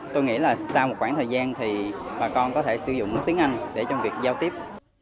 tôi nghĩ là sau một khoảng thời gian thì bà con có thể sử dụng tiếng anh để trong việc giao tiếp